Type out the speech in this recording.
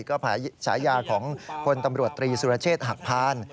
ก็ฉายาของพลตำรวจตรีสุรเชษฐ์หักพาน